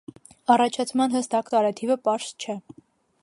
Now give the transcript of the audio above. Առաջացման հստակ տարեթիվը պարզ չէ։